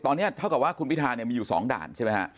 ตอนนี้เท่ากับว่าคุณพิทามีอยู่สองด่านใช่ไหมฮะ